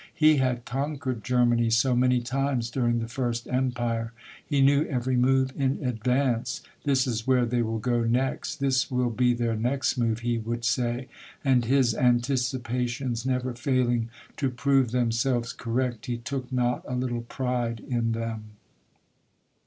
He had conquered Germany so many times during the First Empire ! He knew every move in advance. * This is where they will go next !'* This will be their next move,' he would say; and his anticipations never failing to prove themselves correct, he took not a little pride in them.